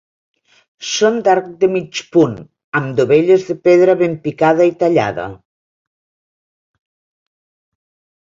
Són d'arc de mig punt, amb dovelles de pedra ben picada i tallada.